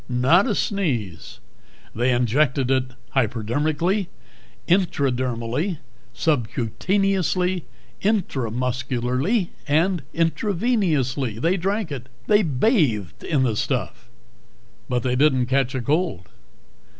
Not a sneeze. They injected it hypodermically, intradermally, subcutaneously, intramuscularly, and intravenously. They drank it. They bathed in the stuff. But they didn't catch a cold.